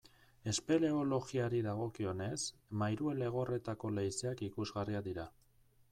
Espeleologiari dagokionez, Mairuelegorretako leizeak ikusgarriak dira.